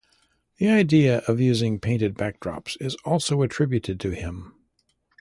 The idea of using painted backdrops is also attributed to him.